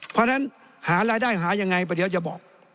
เพราะฉะนั้นหารายได้หายังไงไปเดี๋ยวจะบอก